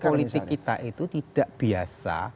politik kita itu tidak biasa